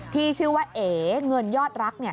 ที่ชื่อว่าเอ๋เงินยอดรัก